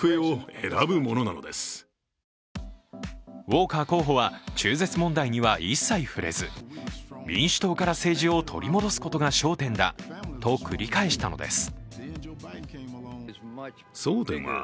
ウォーカー候補は中絶問題には一切触れず民主党から政治を取り戻すことが焦点だと繰り返したのです。